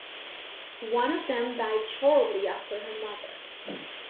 One of them died shortly after her mother.